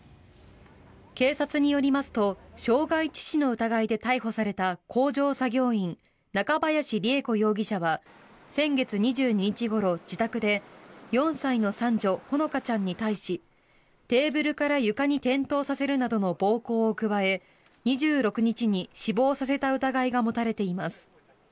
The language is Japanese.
警察によりますと傷害致死の疑いで逮捕された工場作業員中林りゑ子容疑者は先月２２日ごろ、自宅で４歳の三女・ほのかちゃんに対しテーブルから床に転倒させるなどの暴行を加え２６日に死亡させた疑いが持たれています。